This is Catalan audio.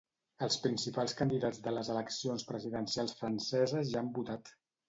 Els principals candidats de les eleccions presidencials franceses ja han votat.